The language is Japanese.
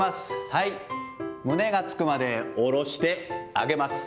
はい、胸がつくまでおろして上げます。